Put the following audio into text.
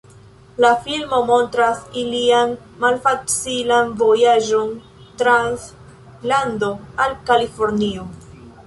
La filmo montras ilian malfacilan vojaĝon trans lando al Kalifornio.